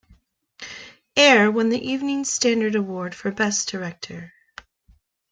Eyre won the Evening Standard Award for Best Director.